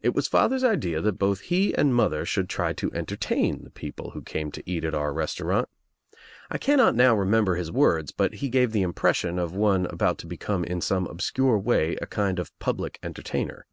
It was father's Idea that both he and mother should try to entertain the people who came to eat at our restaurant. I cannot now remember his words, but he gave the impression of one about to become in some obscure way a kind of public entertainer.